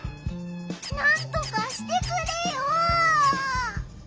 なんとかしてくれよ！